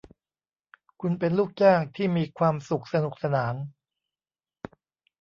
คุณเป็นลูกจ้างที่มีความสุขสนุกสนาน